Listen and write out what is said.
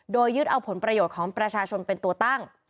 โดยยึดเอาผลประโยชน์ของประชาชนเป็นตัวตั้ง